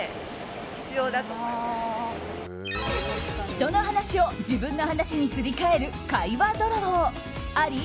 人の話を自分の話にすり替える会話泥棒、あり？